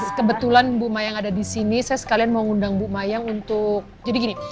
kebetulan bu mayang ada di sini saya sekalian mau ngundang bu mayang untuk jadi gini